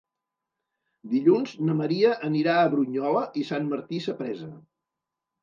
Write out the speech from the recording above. Dilluns na Maria anirà a Brunyola i Sant Martí Sapresa.